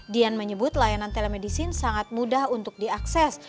dian menyebut layanan telemedicine sangat mudah untuk diakses